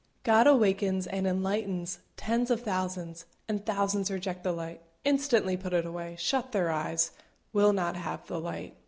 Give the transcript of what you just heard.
God awakens and enlightens tens of thousands, and thousands reject the light instantly put it away shut their eyes will not have the light.